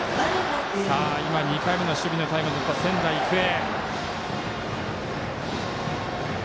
今、２回目の守備のタイムをとった仙台育英。